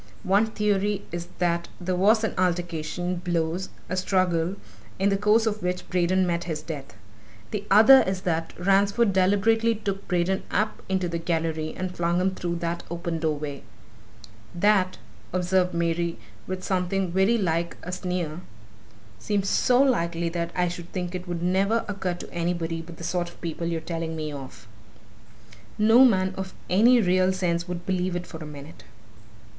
One theory is that there was an altercation, blows, a struggle, in the course of which Braden met his death; the other is that Ransford deliberately took Braden up into the gallery and flung him through that open doorway " "That," observed Mary, with something very like a sneer, "seems so likely that I should think it would never occur to anybody but the sort of people you're telling me of! No man of any real sense would believe it for a minute!"